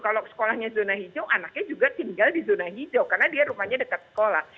kalau sekolahnya zona hijau anaknya juga tinggal di zona hijau karena dia rumahnya dekat sekolah